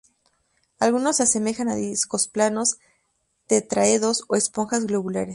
Algunos se asemejan a discos planos, tetraedros o esponjas globulares.